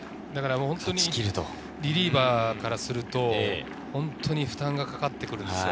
リリーバーからすると、負担がかかってくるんですよ。